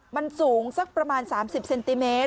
มันสูงสักประมาณ๓๐เซนติเมตร